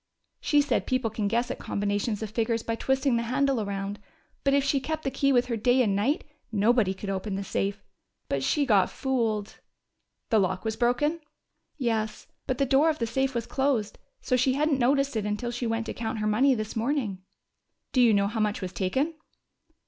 She said people can guess at combinations of figures by twisting the handle around, but if she kept the key with her day and night, nobody could open the safe.... But she got fooled!" "The lock was broken?" "Yes. But the door of the safe was closed, so she hadn't noticed it until she went to count her money this morning." "Do you know how much was taken?"